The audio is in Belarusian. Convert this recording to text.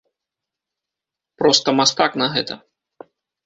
Проста мастак на гэта.